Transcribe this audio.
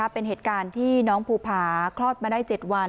เป็นเหตุการณ์ที่น้องภูผาคลอดมาได้๗วัน